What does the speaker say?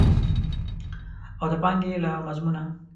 او د پانګې له مضمونه.